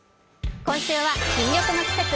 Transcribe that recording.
今週は「新緑の季節！